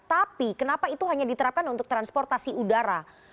tapi kenapa itu hanya diterapkan untuk transportasi udara